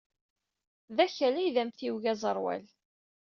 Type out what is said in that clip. D Akal ay d amtiweg aẓerwal.